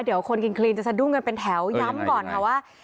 เดี๋ยวคนกินคลีนจะสะดุ้งกันเป็นแถวย้ำก่อนค่ะว่า